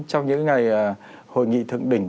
trong những ngày hội nghị thượng đỉnh